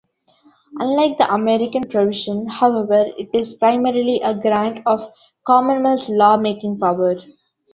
Unlike the American provision, however, it is primarily a grant of Commonwealth law-making power.